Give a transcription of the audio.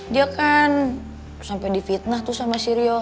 dia kan sampai di fitnah sama sirio